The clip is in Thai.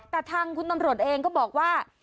แต่ทางคุณตำรวจเองก็บอกว่า